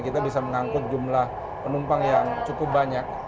kita bisa mengangkut jumlah penumpang yang cukup banyak